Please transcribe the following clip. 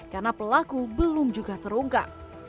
karena pelaku belum juga terungkap